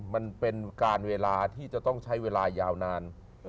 มันเป็นการเวลาที่จะต้องใช้เวลายาวนาน